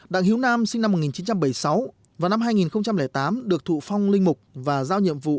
đặng hiếu nam sinh năm một nghìn chín trăm bảy mươi sáu và năm hai nghìn tám được thụ phong linh mục và giao nhiệm vụ